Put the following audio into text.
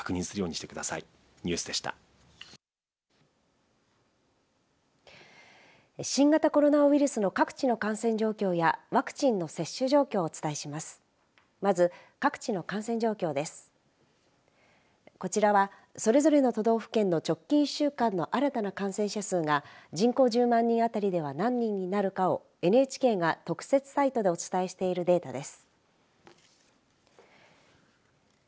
こちらはそれぞれの都道府県の直近１週間の新たな感染者数が人口１０万人当たりでは何人になるかをＮＨＫが特設サイトでお伝えしているデータです。